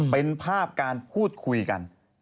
เป็นภาพการพูดคุยกัน